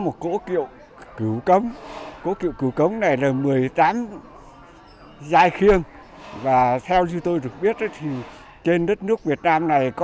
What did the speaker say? tổ nghề đúc đồng